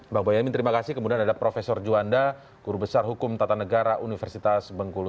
bang boyamin terima kasih kemudian ada profesor juanda guru besar hukum tata negara universitas bengkulu